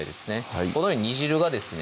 はいこのように煮汁がですね